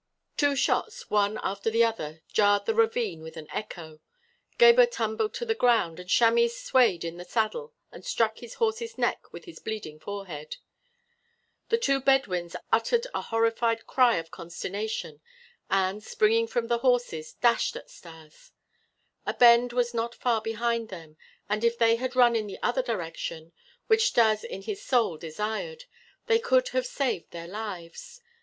Two shots, one after the other, jarred the ravine with an echo. Gebhr tumbled upon the ground, and Chamis swayed in the saddle and struck his horse's neck with his bleeding forehead. The two Bedouins uttered a horrified cry of consternation and, springing from the horses, dashed at Stas. A bend was not far behind them, and if they had run in the other direction, which Stas in his soul desired, they could have saved their lives.